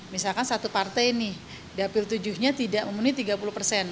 misalkan satu partai nih dapil tujuh nya tidak memenuhi tiga puluh persen